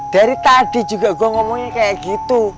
dari kondisinya memikirkan kami